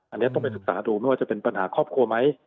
อันนี้ต้องไปศึกษาดูไม่ว่าจะเป็นปัญหาครอบครัวไหม